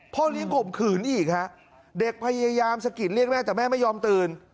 พ่อเลี้ยงข่มขืนอีกฮะเด็กพยายามสะกิดเรียกแม่แต่แม่ไม่ยอมตื่น